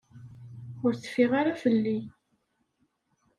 Ur teffiɣ ara fell-i.